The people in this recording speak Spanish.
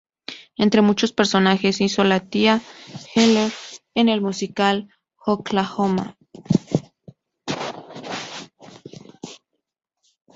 Entre muchos personajes, hizo la tía Eller en el musical "Oklahoma!